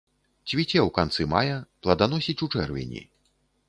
Цвіце ў канцы мая, пладаносіць у чэрвені.